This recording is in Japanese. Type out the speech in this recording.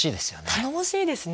頼もしいですね。